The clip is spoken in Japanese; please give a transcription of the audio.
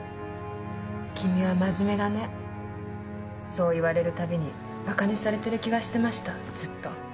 君は真面目だねそう言われる度に馬鹿にされてる気がしてましたずっと。